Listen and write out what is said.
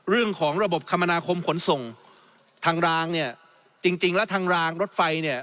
เรื่องของระบบคมนาคมขนส่งทางรางเนี่ยจริงจริงแล้วทางรางรถไฟเนี่ย